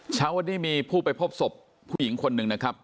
เช้าวันนี้มีผู้ไปพบศพผู้หญิงคนหนึ่งนะครับ